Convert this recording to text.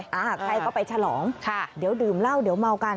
ใครก็ไปฉลองค่ะเดี๋ยวดื่มเหล้าเดี๋ยวเมากัน